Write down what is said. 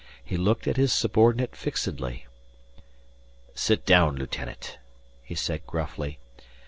He looked at his subordinate fixedly. "Sit down, lieutenant," he said gruffly.